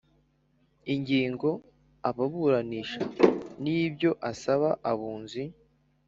ingingo aburanisha n ibyo asaba abunzi